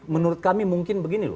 menurut kami mungkin begini loh